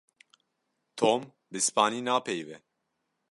Tom bi Spanî napeyive.